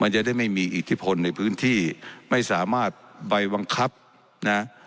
มันจะได้ไม่มีอิทธิพลในพื้นที่ไม่สามารถใบบังคับนะ